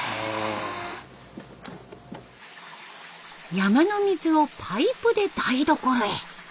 山の水をパイプで台所へ。